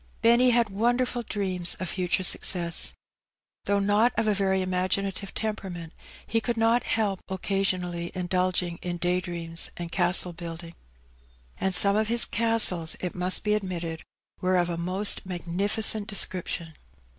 Benny had wonderful dreams of future success. Though not of a very imaginative temperament, he could not help occasionally indulging in day dreams and castle building, and L 146 Hee Benny. some of his castles^ it must be admitted^ were of a most magnificent description.